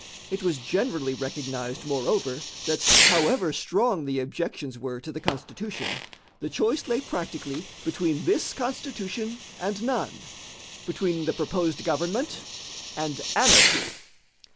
It was generally recognized, moreover, that however strong the objections were to the Constitution, the choice lay practically between this Constitution and none, between the proposed government and anarchy.